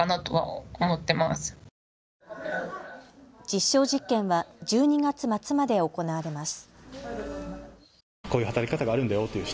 実証実験は１２月末まで行われます。